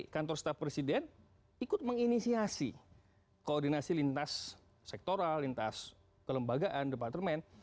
kantor staf presiden ikut menginisiasi koordinasi lintas sektoral lintas kelembagaan departemen